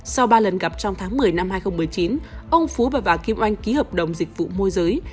sau ba lần gặp trong tháng một mươi năm hai nghìn một mươi chín ông phú và bà kim oanh ký hợp đồng dịch vụ môi giới